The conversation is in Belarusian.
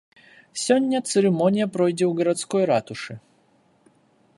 Сёння цырымонія пройдзе ў гарадской ратушы.